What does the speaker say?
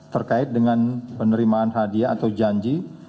terkait dengan penerimaan hadiah atau janji